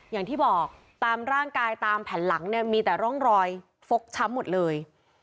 อย่างที่บอกตามร่างกายตามแผ่นหลังเนี่ยมีแต่ร่องรอยฟกช้ำหมดเลย